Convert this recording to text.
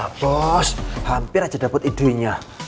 pak bos hampir aja dapet ide nya